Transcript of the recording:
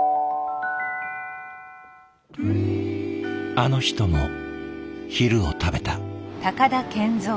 あの人も昼を食べた。